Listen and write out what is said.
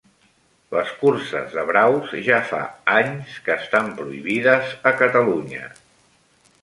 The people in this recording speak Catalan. Les curses de braus ja fa anys que estan prohibides a Catalunya.